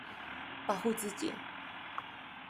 保護自己